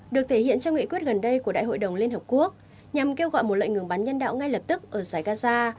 được thể hiện trong nghị quyết gần đây của đại hội đồng liên hợp quốc nhằm kêu gọi một lệnh ngừng bắn nhân đạo ngay lập tức ở giải gaza